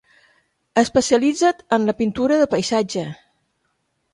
Especialitzat en la pintura de paisatge.